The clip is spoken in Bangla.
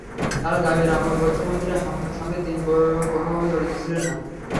তাঁর দাবি, রামুর বৌদ্ধমন্দিরে হামলার সঙ্গে তিন কোনোভাবে জড়িত ছিলেন না।